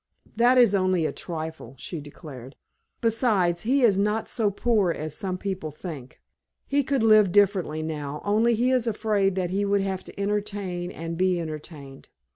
"That is only a trifle," she declared. "Besides, he is not so poor as some people think. He could live differently now, only he is afraid that he would have to entertain and be entertained.